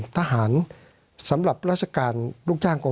สวัสดีครับทุกคน